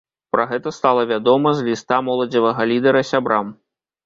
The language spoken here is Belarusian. Пра гэта стала вядома з ліста моладзевага лідэра сябрам.